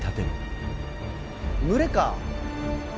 群れか。